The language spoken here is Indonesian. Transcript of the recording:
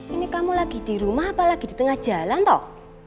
ini kamu lagi di rumah apalagi di tengah jalan toh